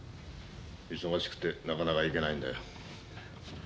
忙しくてなかなか行けないんだよ。